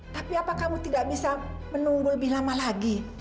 tapi apa kamu tidak bisa menunggu lebih lama lagi